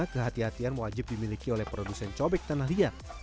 kehatian kehatian wajib dimiliki oleh produsen cobek tanah liat